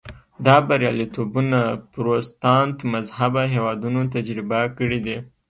دا بریالیتوبونه پروتستانت مذهبه هېوادونو تجربه کړي دي.